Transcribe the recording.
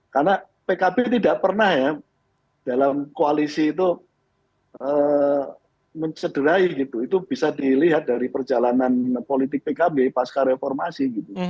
karena pkb tidak pernah dalam koalisi itu mencederai itu bisa dilihat dari perjalanan politik pkb pasca reformasi